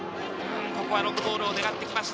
ここはロングボールを狙ってきました。